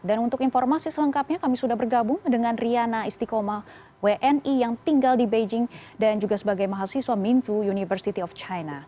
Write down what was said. dan untuk informasi selengkapnya kami sudah bergabung dengan riana istiqomah wni yang tinggal di beijing dan juga sebagai mahasiswa minzu university of china